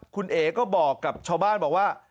คุณเอ๋ก็บอกกับชาวบ้านบอกว่า